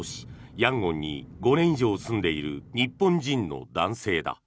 ヤンゴンに５年以上住んでいる日本人の男性だ。